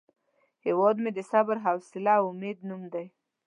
هیواد مې د صبر، حوصله او امید نوم دی